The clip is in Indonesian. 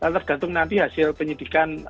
tergantung nanti hasil penyidikan